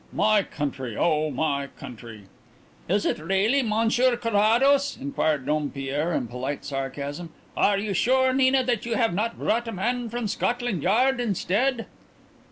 My country; O my country!" "Is it really Monsieur Carrados?" inquired Dompierre in polite sarcasm. "Are you sure, Nina, that you have not brought a man from Scotland Yard instead?"